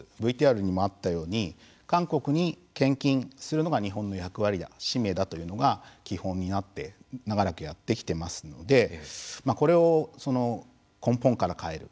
ＶＴＲにもあったように、韓国に献金するのが日本の役割だ、使命だというのが基本になって長らくやってきていますのでこれを根本から変える。